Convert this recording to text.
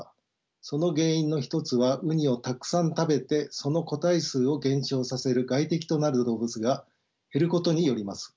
その原因の一つはウニをたくさん食べてその個体数を減少させる外敵となる動物が減ることによります。